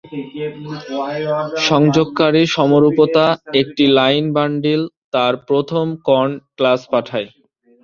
সংযোগকারী সমরূপতা একটি line bundle তার প্রথম কর্ন ক্লাস পাঠায়।